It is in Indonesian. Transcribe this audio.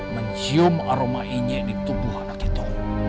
mencium aromanya di tubuh anak itu